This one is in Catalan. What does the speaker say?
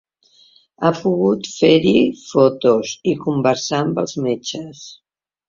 Ha pogut fer-s’hi fotos i conversar amb els metges.